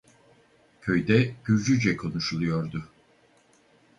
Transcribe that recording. Köyde Gürcüce konuşuluyordu.